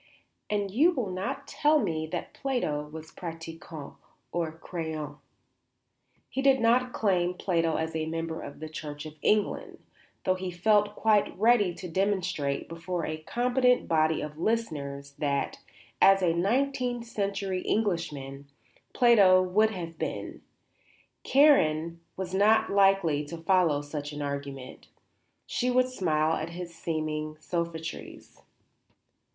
"And you will not tell me that Plato was pratiquant or croyant." He could not claim Plato as a member of the Church of England, though he felt quite ready to demonstrate, before a competent body of listeners, that, as a nineteenth century Englishman, Plato would have been. Karen was not likely to follow such an argument. She would smile at his seeming sophistries.